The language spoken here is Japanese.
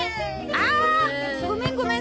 あー！ごめんごめん。